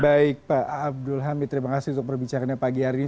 baik pak abdul hamid terima kasih untuk perbicaraannya pagi hari ini